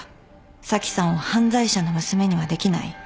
紗季さんを犯罪者の娘にはできない。